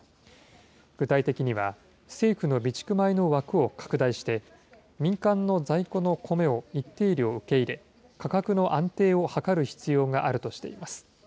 具体的には、政府の備蓄米の枠を拡大して、民間の在庫のコメを一定量受け入れ、価格の安定を図る必要があるとしています。